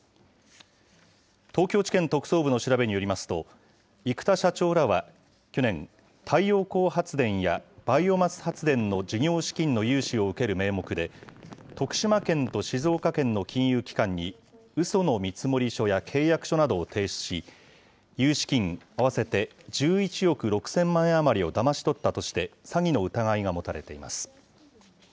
東京地検特捜部の調べによりますと、生田社長らは去年、太陽光発電やバイオマス発電の事業資金の融資を受ける名目で、徳島県と静岡県の金融機関に、うその見積書や契約書などを提出し、融資金合わせて１１億６０００万円余りをだまし取ったとして、詐欺の疑いが持たれています。